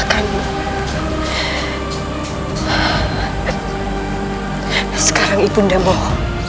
jangan lupa girl